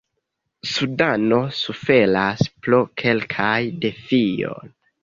Sudano suferas pro kelkaj defioj.